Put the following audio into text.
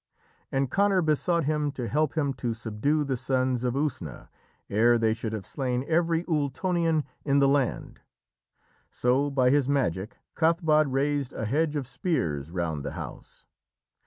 And Conor besought him to help him to subdue the Sons of Usna ere they should have slain every Ultonian in the land. So by his magic Cathbad raised a hedge of spears round the house.